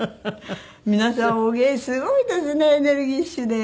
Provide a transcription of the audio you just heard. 皆さんすごいですねエネルギッシュで。